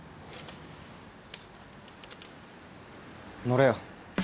乗れよ。